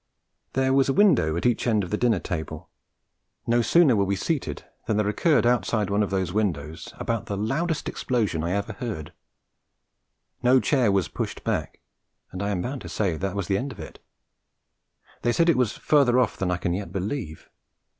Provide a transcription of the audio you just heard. There was a window at each end of the dinner table. No sooner were we seated than there occurred outside one of these windows about the loudest explosion I ever heard. No chair was pushed back, and I am bound to say that was the end of it; they said it was further off than I can yet believe.